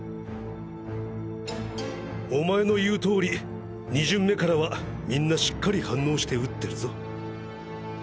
お前の言う通り二巡目からはみんなしっかり反応して打ってるぞ。